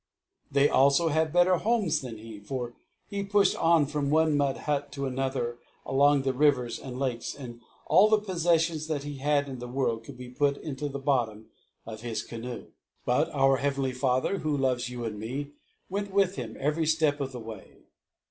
They also have better homes than he, for he pushed on from one mud hut to another along the rivers and lakes, and all the possessions that he had in the world could be put into the bottom of his canoe. But our Heavenly Father, Who loves you and me, went with him every step of the way.